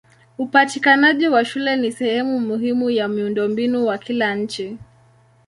Upatikanaji wa shule ni sehemu muhimu ya miundombinu wa kila nchi.